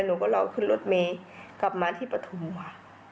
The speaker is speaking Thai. หนูก็ลองขึ้นรถเมฆกลับมาที่ปฐมวา